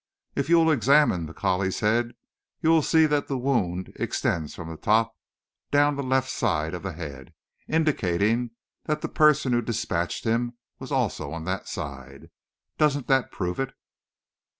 "If you will examine the collie's head you will see that the wound extends from the top down the left side of the head, indicating that the person who dispatched him was also on that side. Doesn't that prove it?"